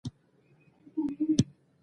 له هر څه سره یې عادت وم !